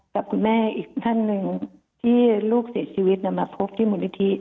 กับคุณแม่อีกท่านหนึ่งที่ลูกเสียชีวิตมาพบที่มูลนิธิ